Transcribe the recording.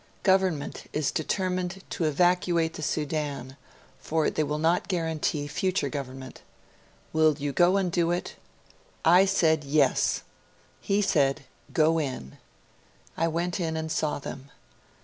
Government is determined to evacuate the Sudan, for they will not guarantee future government. Will you go and do it?" I said: "Yes." He said: "Go in." I went in and saw them.